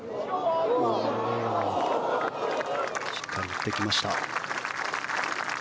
しっかり打ってきました。